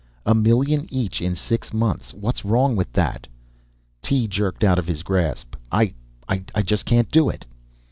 "A million each in six months; what's wrong with that?" Tee jerked out of his grasp. "I ... I just can't do it."